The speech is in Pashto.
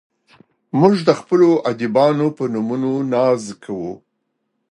موږ د خپلو ادیبانو په نومونو ناز کوو.